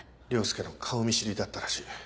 ⁉凌介の顔見知りだったらしい。